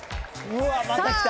・うわまたきた。